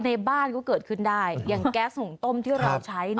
ในบ้านก็เกิดขึ้นได้อย่างแก๊สหุ่งต้มที่เราใช้